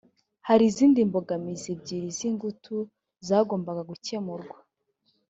hari izindi mbogamizi ebyiri z ingutu zagombaga gukemurwa